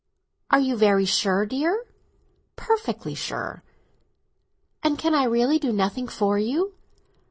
"Are you very sure, dear?" "Perfectly sure." "And can I really do nothing for you?"